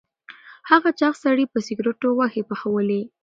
هغه چاغ سړي په سکروټو غوښې پخولې.